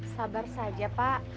sabar saja pak